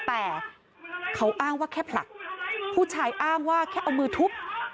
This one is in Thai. แต่เขาอ้างว่าแค่ผลักผู้ชายอ้างว่าแค่เอามือทุบ